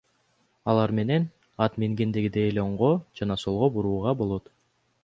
Алар менен ат мингендегидей эле оңго жана солго бурууга болот.